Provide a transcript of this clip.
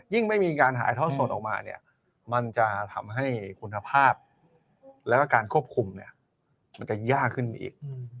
ไม่มีการถ่ายทอดสดออกมาเนี่ยมันจะทำให้คุณภาพแล้วก็การควบคุมเนี่ยมันจะยากขึ้นไปอีก